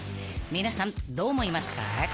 ［皆さんどう思いますか？］